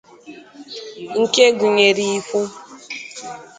nke gụnyere ihu